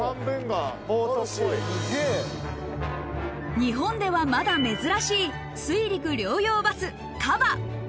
日本ではまだ珍しい水陸両用バスＫＡＢＡ。